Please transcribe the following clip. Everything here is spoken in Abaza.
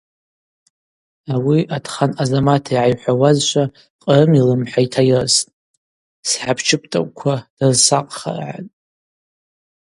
Ауи Атхан Азамат йгӏайхӏвауазшва, Кърым йлымхӏа йтайрыстӏ: Схӏапчыптӏакӏвква дрызсакъхаргӏатӏ.